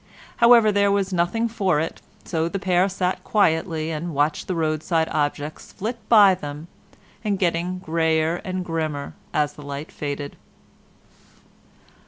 However there was nothing for it, so the pair sat quietly and watched the roadside objects flit by them, and get greyer and grimmer as the light faded.